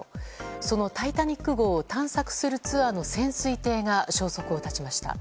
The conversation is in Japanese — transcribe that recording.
その「タイタニック号」を探索するツアーの潜水艇が消息を絶ちました。